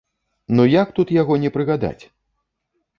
Ну як тут яго не прыгадаць!